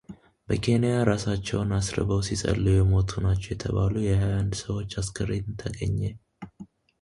በኬንያ እራሳቸውን አስርበው ሲፀልዩ የሞቱ ናቸው የተባሉ የሀያ አንድ ሰዎች አስክሬን ተገኘ